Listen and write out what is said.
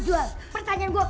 jual burung ma